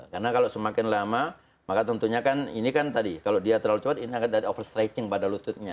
karena kalau semakin lama maka tentunya kan ini kan tadi kalau dia terlalu cepat ini akan over stretching pada lututnya